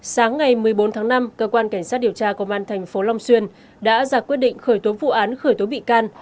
sáng ngày một mươi bốn tháng năm cơ quan cảnh sát điều tra công an tp long xuyên đã ra quyết định khởi tố vụ án khởi tố bị can